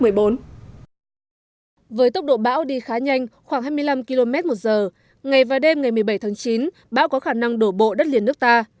với tốc độ bão đi khá nhanh khoảng hai mươi năm km một giờ ngày và đêm ngày một mươi bảy tháng chín bão có khả năng đổ bộ đất liền nước ta